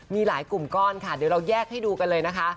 มีหลายกลุ่มก้อนค่ะเดี๋ยวเราแยกให้ดูกันเลยนะคะ